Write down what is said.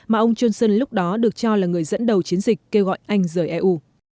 mà ông trần sơn lúc đó được cho là người dẫn đầu chiến dịch kêu gọi anh rời eu